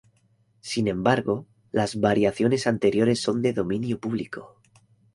Sin embargo, las variaciones anteriores son de dominio público.